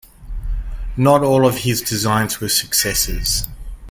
Not all of his designs were successes.